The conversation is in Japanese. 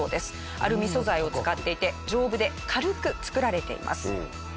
アルミ素材を使っていて丈夫で軽く作られています。